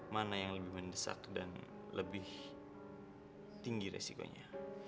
mana yang lebih mendesak dan lebih tinggi resikonya